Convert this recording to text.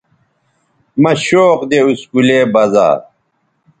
مہ شوق دے اسکولے بزا